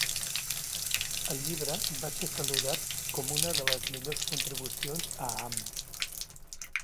El llibre va ser saludat com una de les millors contribucions a Am.